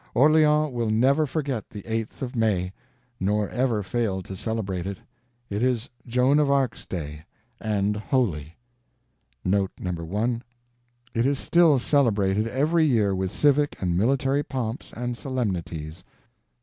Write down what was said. Orleans will never forget the 8th of May, nor ever fail to celebrate it. It is Joan of Arc's day—and holy. (1) (1)It is still celebrated every year with civic and military pomps and solemnities.